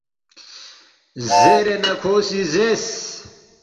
“ زیرے نہ کھو سی زیرس،